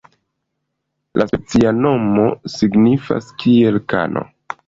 La specia nomo signifas kiel kano.